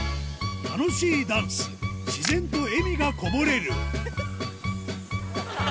楽しいダンス自然と笑みがこぼれる